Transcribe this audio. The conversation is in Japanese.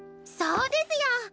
そうですよ！